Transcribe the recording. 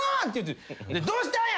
「どうしたんや！？」